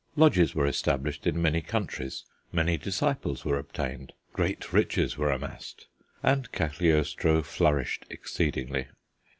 Lodges were established in many countries, many disciples were obtained, great riches were amassed, and Cagliostro flourished exceedingly.